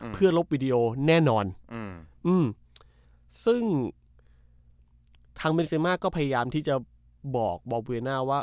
เพื่อลบวิดีโอแน่นอนซึ่งทางเบนเซมาก็พยายามที่จะบอกบอบเวยน่าว่า